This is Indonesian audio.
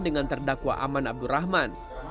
dengan terdakwa aman abdurrahman